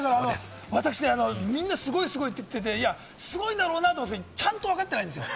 私、みんながすごいすごいって言ってて、すごいんだろうなと思うんですけれども、ちゃんと分かってないんですよ。